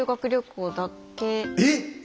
えっ！？